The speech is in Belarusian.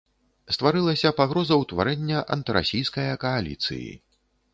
Стварылася пагроза ўтварэння антырасійская кааліцыі.